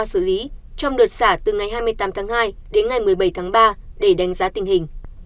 xử lý trong đợt xả từ ngày hai mươi tám tháng hai đến ngày một mươi bảy tháng ba để đánh giá tình hình